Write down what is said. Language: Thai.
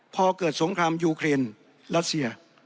พอเกิดสงครามยูเครนรัสเซีย